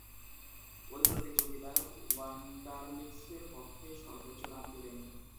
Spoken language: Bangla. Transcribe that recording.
ঐ প্রতিযোগিতায় ওয়ান্ডারলিক্সের পক্ষে সর্বোচ্চ রান তুলেন।